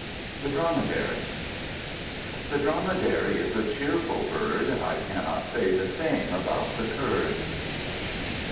The Dromedary The Dromedary is a cheerful bird: I cannot say the same about the Kurd.